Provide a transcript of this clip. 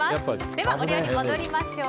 では、お料理戻りましょう。